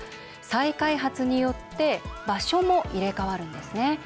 再開発によって場所も入れ替わるんですね。